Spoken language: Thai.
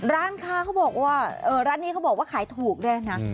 ร้านค้าเขาบอกว่าร้านนี้เขาบอกว่าขายถูกด้วยนะ